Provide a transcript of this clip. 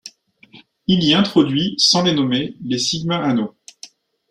Il y introduit, sans les nommer, les σ-anneaux.